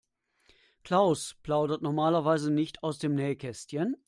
Klaus plaudert normalerweise nicht aus dem Nähkästchen.